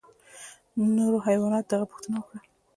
نورو حیواناتو د هغه پوښتنه وکړه.